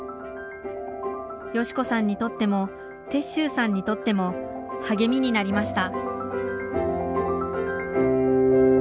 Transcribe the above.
佳子さんにとっても鉄舟さんにとっても励みになりました